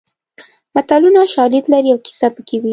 متلونه شالید لري او کیسه پکې وي